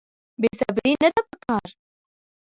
بې صبري نه ده په کار.